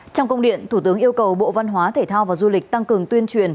trong công điện thủ tướng yêu cầu bộ văn hóa thể thao và du lịch tăng cường tuyên truyền